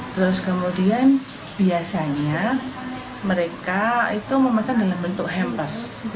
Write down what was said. terus kemudian biasanya mereka itu memesan dalam bentuk hampers